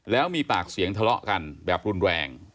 แล้วมีปากเสียงทะเลาะกันแบบรุนแรง